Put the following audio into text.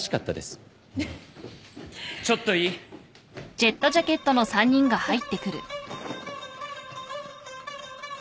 ちょっといい？えっ！？